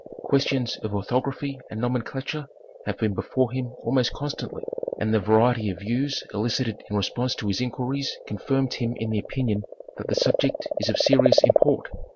Questions of orthography and nomenclature have been before him almost constantly, and the variety of views elicited in response to his inquiries confirmed him in the opinion that the subject is of serious import.